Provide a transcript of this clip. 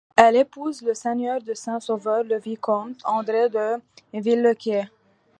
Elle épouse le seigneur de Saint-Sauveur-le-Vicomte, André de Villequier.